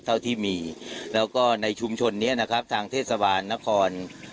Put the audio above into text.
เท่าที่มีแล้วก็ในชุมชนนี้นะครับทางเทศบาลนคร